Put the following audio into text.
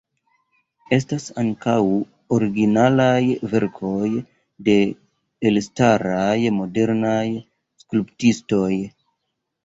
Estas ankaŭ originalaj verkoj de elstaraj modernaj skulptistoj.